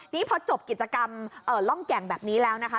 นี่พอจบกิจกรรมร่องแก่งแบบนี้แล้วนะคะ